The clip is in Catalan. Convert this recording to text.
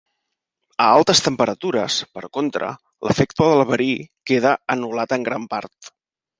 A altes temperatures, per contra, l'efecte del verí queda anul·lat en gran part.